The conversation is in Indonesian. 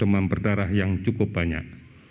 demam berdarah yang cukup banyak